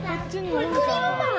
これクリームパン？